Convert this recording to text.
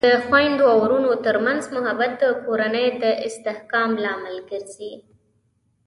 د خویندو او ورونو ترمنځ محبت د کورنۍ د استحکام لامل ګرځي.